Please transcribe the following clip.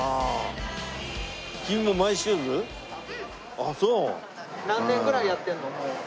あっそう。